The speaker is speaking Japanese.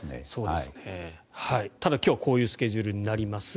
ただ今日はこういうスケジュールになります。